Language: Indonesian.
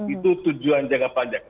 itu tujuan jangka panjang